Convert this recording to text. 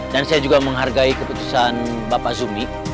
dan saya juga menghargai keputusan bapak zumi